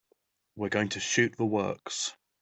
We're going to shoot the works.